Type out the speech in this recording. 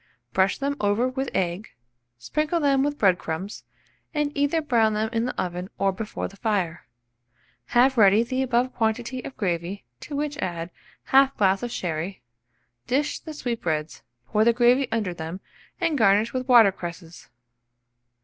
Brush them over with egg, sprinkle them with bread crumbs, and either brown them in the oven or before the fire. Have ready the above quantity of gravy, to which add 1/2 glass of sherry; dish the sweetbreads, pour the gravy under them, and garnish with water cresses.